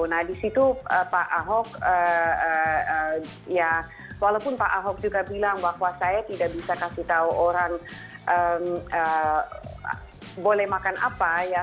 nah disitu pak ahok ya walaupun pak ahok juga bilang bahwa saya tidak bisa kasih tahu orang boleh makan apa ya